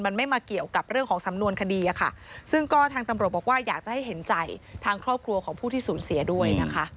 มันไม่มาเกี่ยวกับเรื่องของสำนวนคดีอะค่ะซึ่งก็ทางตำรวจบอกว่าอยากจะให้เห็นใจทางครอบครัวของผู้ที่สูญเสียด้วยนะคะ